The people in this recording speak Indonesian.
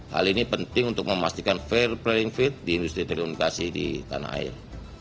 hal ini penting untuk memastikan fair playing field di industri telekomunikasi di tanah air